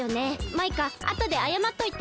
マイカあとであやまっといて。